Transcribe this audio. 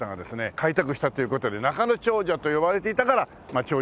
開拓したという事で中野長者と呼ばれていたから長者橋だと。